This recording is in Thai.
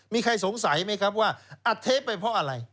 มีใครสงสัยไหมครับว่าอัดเทปไปเพราะอะไร